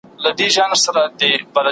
قاضي د ښځي د حقونو ساتنه کوي.